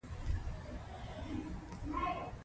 د مقناطیسي کوانټم شمېره موقعیت معلوموي.